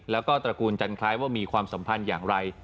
แล้วก็ตระกูลจันคล้ายว่ามีความสัมพันธ์อย่างไร